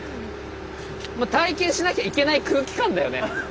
体験しなきゃいけない空気感だよね。